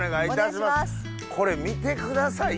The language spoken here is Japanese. これ見てください